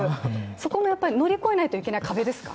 そこは乗り越えないといけない壁ですか？